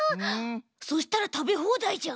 そしたらたべほうだいじゃん。